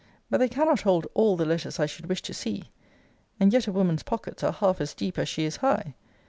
But they cannot hold all the letters I should wish to see. And yet a woman's pockets are half as deep as she is high.